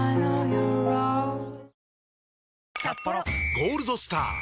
「ゴールドスター」！